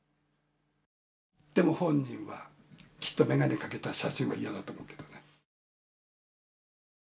でも本人はきっと眼鏡かけた写真は嫌だと思うけどね。